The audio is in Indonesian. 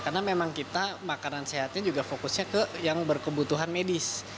karena memang kita makanan sehatnya juga fokusnya ke yang berkebutuhan medis